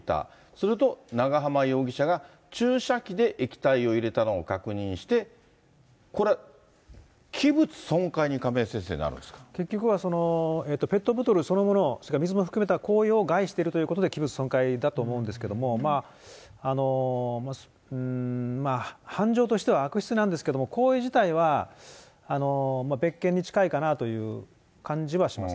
すると長浜容疑者が、注射器で液体を入れたのを確認して、これ、器物損壊に亀井先生、結局は、ペットボトルそのものを、しかも水を含めたを害しているということで、器物損壊だと思うんですけれども、犯情としては悪質なんですけれども、行為自体は別件に近いかなという感じはします。